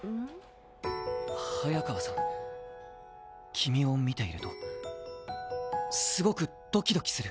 君を見ているとすごくドキドキする。